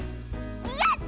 やった！